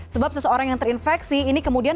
sebab seseorang yang terinfeksi ini kemudian